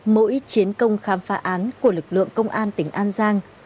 mỗi chiến công khám phá án của lực lượng công an tỉnh an giang